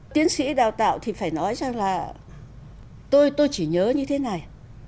tiến sĩ đào tạo thì phải nói rằng là tôi tôi chỉ nhớ như thế này